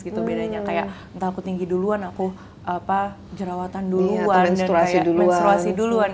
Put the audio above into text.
gitu bedanya kayak entah aku tinggi duluan aku jerawatan duluan dan kayak menstruasi duluan